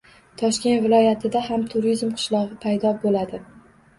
Toshkent viloyatida ham “Turizm qishlog‘i” paydo bo‘ladi